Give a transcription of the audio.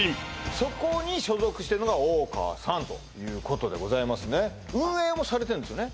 そこに所属してるのが大川さんということでございます運営もされてるんですよね？